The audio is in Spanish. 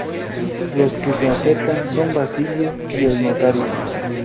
Los que se acercan son Basilio y el notario.